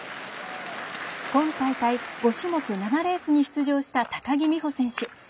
今大会、５種目７レースに出場した高木美帆選手。